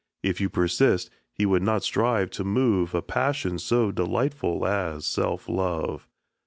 If you persist, he would not strive to move A passion so delightful as self love.